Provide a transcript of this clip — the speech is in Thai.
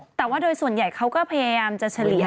แต่ว่าโดยส่วนใหญ่เขาก็พยายามจะเฉลี่ย